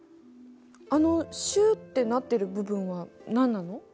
あのシューってなってる部分は何なの？